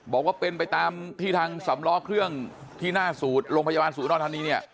บอกว่าเป็นไปตามที่ทางสำล้อเครื่องที่หน้าสูตรโรงพยาบาลศูนย์นรธานีเนี่ย